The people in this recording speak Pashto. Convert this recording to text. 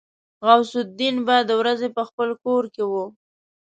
غوث الدين به د ورځې په خپل کور کې و.